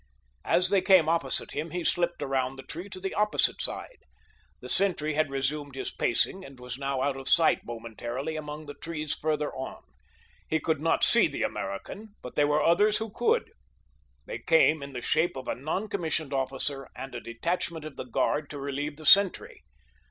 As they came opposite him he slipped around the tree to the opposite side. The sentry had resumed his pacing, and was now out of sight momentarily among the trees further on. He could not see the American, but there were others who could. They came in the shape of a non commissioned officer and a detachment of the guard to relieve the sentry.